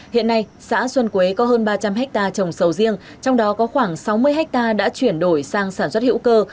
hiện nay xã xuân quế có hơn ba trăm linh hectare trồng sầu riêng trong đó có khoảng sáu mươi ha đã chuyển đổi sang sản xuất hữu cơ